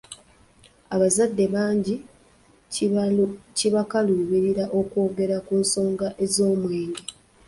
Abazadde bangi kibakaluubirira okwogera ku nsonga z’omwenge.